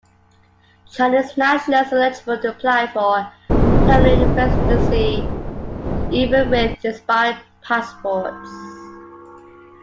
Chinese nationals were eligible to apply for permanent residency, even with expired passports.